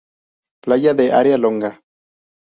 Playa de Area Longa.